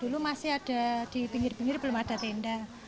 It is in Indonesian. dulu masih ada di pinggir pinggir belum ada tenda